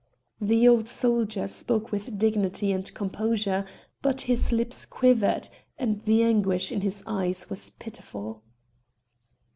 The old soldier spoke with dignity and composure, but his lips quivered, and the anguish in his eyes was pitiful.